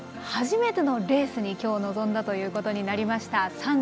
初めてのレースに今日、臨んだことになりました。